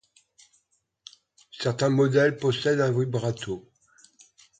Certains modèles possèdent un vibrato.